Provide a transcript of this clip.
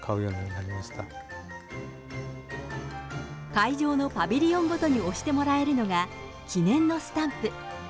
会場のパビリオンごとに押してもらえるのが記念のスタンプ。